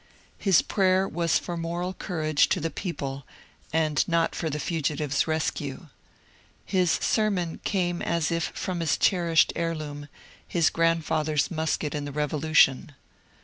His prayer was for moral cour age to the people and not for the fugitive's rescue. His ser mon came as if from his cherished heirloom, his grandfather's musket in the Revolution.